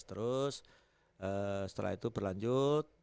terus setelah itu berlanjut